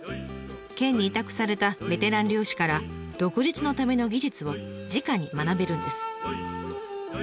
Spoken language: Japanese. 県に委託されたベテラン漁師から独立のための技術をじかに学べるんです。